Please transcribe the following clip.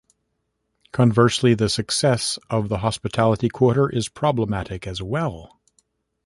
Conversely the success of the hospitality quarter is problematic as well.